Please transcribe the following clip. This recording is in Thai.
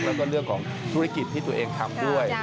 แล้วก็เรื่องของธุรกิจที่ตัวเองทำด้วย